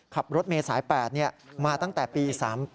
ขับรถเมษาย๘มาตั้งแต่ปี๓๘